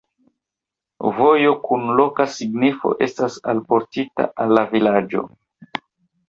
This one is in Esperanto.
Vojo kun loka signifo estas alportita al la vilaĝo.